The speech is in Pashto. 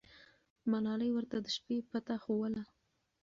ملالۍ ورته د شپې پته ښووله.